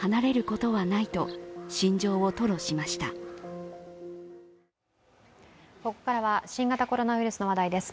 ここからは新型コロナウイルスの話題です。